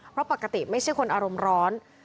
เพราะปกติไม่ใช่คนอารมณ์ร้อน